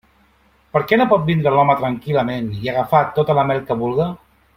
Per què no pot vindre l'home tranquil·lament i agafar tota la mel que vulga?